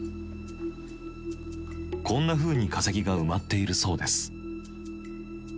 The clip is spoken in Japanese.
こんなふうに化石が埋まっているそうです。